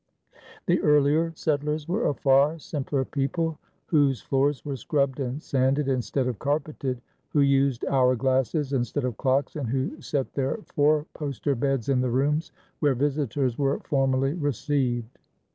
The earlier settlers were a far simpler people, whose floors were scrubbed and sanded instead of carpeted, who used hour glasses instead of clocks, and who set their four poster beds in the rooms where visitors were formally received.